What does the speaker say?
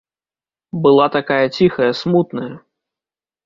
Была такая ціхая, смутная.